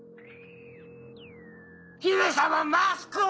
姫様マスクを！